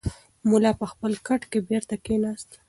ملا په خپل کټ کې بېرته کښېناست.